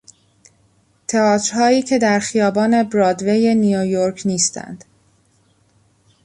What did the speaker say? تئاترهایی که در خیابان برادوی نیویورک نیستند.